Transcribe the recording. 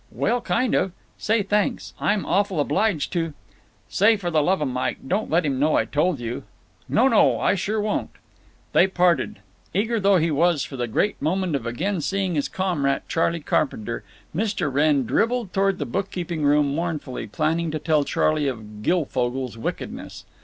"Well, kind of. Say, thanks, I'm awful obliged to—" "Say, for the love of Mike, don't let him know I told you." "No, no, I sure won't." They parted. Eager though he was for the great moment of again seeing his comrade, Charley Carpenter, Mr. Wrenn dribbled toward the bookkeeping room mournfully, planning to tell Charley of Guilfogle's wickedness.